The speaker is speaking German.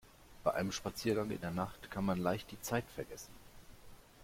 Bei einem Spaziergang in der Nacht kann man leicht die Zeit vergessen.